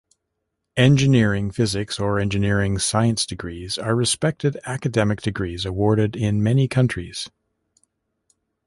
Engineering physics or engineering science degrees are respected academic degrees awarded in many countries.